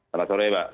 selamat sore mbak